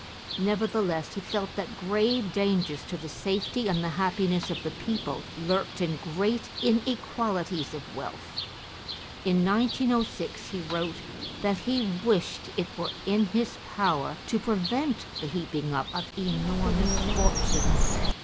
Nevertheless he felt that grave dangers to the safety and the happiness of the people lurked in great inequalities of wealth. In 1906 he wrote that he wished it were in his power to prevent the heaping up of enormous fortunes.